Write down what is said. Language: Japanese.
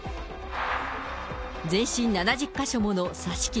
全身７０か所もの刺し傷。